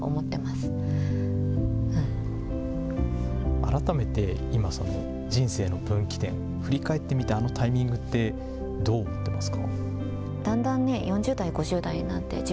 改めて今、人生の分岐点、振り返ってみて、あのタイミングって、どう思ってますか。